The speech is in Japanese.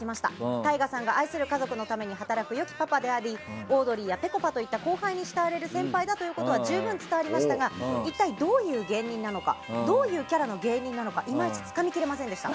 ＴＡＩＧＡさんが愛する家族のためによく働くよきパパでありオードリーやぺこぱといった後輩に慕われる先輩だということは十分伝わりましたが一体どういう芸人なのかどういうキャラの芸人なのかいまいちつかみきれませんでした。